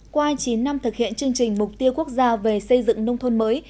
qua chín năm thực hiện chương trình mục tiêu quốc gia về xây dựng nông thôn mới